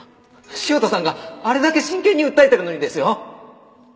汐田さんがあれだけ真剣に訴えているのにですよ！